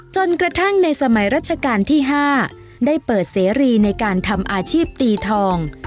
จนกระทั่งในสมัยรัชกาลที่๕ได้เปิดเสรีในการทำอาชีพตีทอง